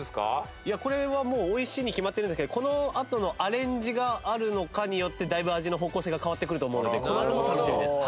いやこれはもう美味しいに決まってるんですけどこのあとのアレンジがあるのかによってだいぶ味の方向性が変わってくると思うのでこのあとも楽しみです。